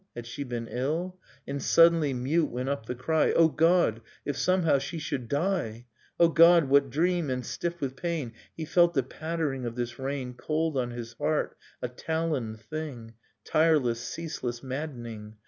Had she been ill? And suddenly, mute, went up the cry — O God if somehow she should die ! O God, what dream! and stiff with pain He felt the pattering of this rain Cold on his heart, a taloned thing. Tireless, ceaseless, maddening.